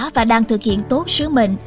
và đang thực hiện tốt sứ mệnh